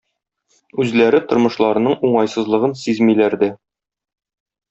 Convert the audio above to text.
Үзләре тормышларының уңайсызлыгын сизмиләр дә.